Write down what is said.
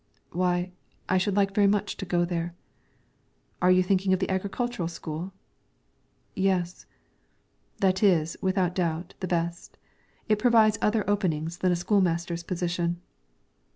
"Why, I should like very much to go there." "Are you thinking of the agricultural school?" "Yes." "That is, without doubt, the best; it provides other openings than a school master's position."